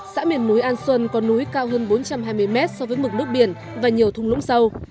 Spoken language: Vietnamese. xã miền núi an xuân có núi cao hơn bốn trăm hai mươi mét so với mực nước biển và nhiều thung lũng sâu